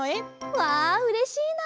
わあうれしいなあ！